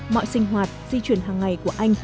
mọi sinh hoạt di truyền hàng ngày của anh